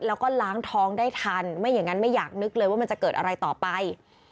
แล้วก็ล้างท้องได้ทันไม่อย่างนั้นไม่อยากนึกเลยว่ามันจะเกิดอะไรต่อไป